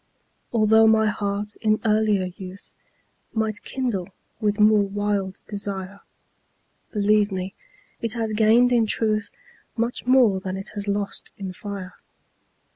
Altho' my heart in earlier youth Might kindle with more wild desire, Believe me, it has gained in truth Much more than it has lost in fire.